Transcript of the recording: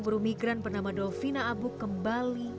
menunjukkan potensi juga tidak pun ada apa apa